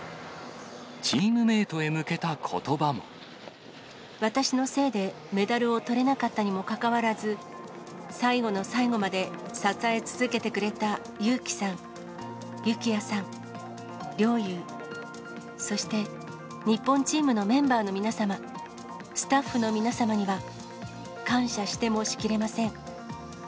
チームメートへ向けたことば私のせいでメダルをとれなかったにもかかわらず、最後の最後まで、支え続けてくれたゆうきさん、ゆきやさん、陵侑、そして日本チームのメンバーの皆様、スタッフの皆様には、感謝してもしきれません。